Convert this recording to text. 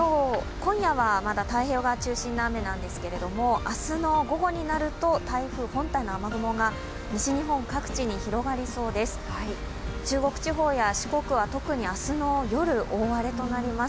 今夜はまだ太平洋側中心の雨なんですが明日の午後になると台風本体の雨雲が西日本各地に広がりそうです。